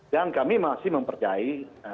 dan kami masih mempercayai